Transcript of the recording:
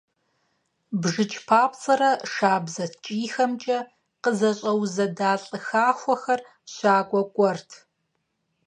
БжыкӀ папцӀэрэ шабзэ ткӀийхэмкӀэ къызэщӀэузэда лӀы хахуэхэр щакӀуэ кӀуэрт.